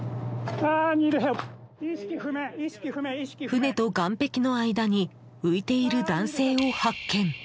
船と岸壁の間に浮いている男性を発見。